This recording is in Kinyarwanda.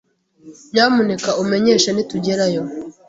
Nyamuneka umenyeshe nitugerayo.